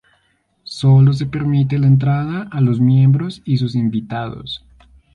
Sólo se permite la entrada a los miembros y sus invitados.